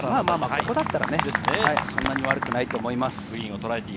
ここだったら、そんなに悪くないと思います。